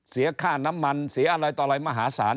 เสียค่าน้ำมันเสียอะไรต่ออะไรมหาศาล